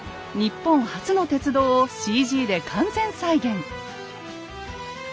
日本初の鉄道をＣＧで完全再現。